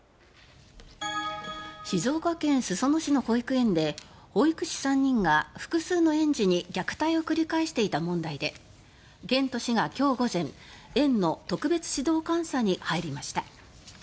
静岡県裾野市の保育園で保育士３人が複数の園児に虐待を繰り返していた問題で県と市が今日午前園の特別指導監査に入りました。